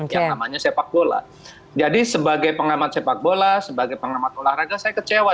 yang namanya sepak bola jadi sebagai pengamat sepak bola sebagai pengamat olahraga saya kecewa